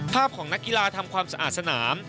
ภาพของนักกีฬาทำความสะอาดสนาม